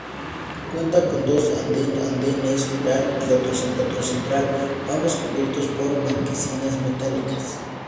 Cuenta con dos andenes, uno lateral y otro central, ambos cubiertos por marquesinas metálicas.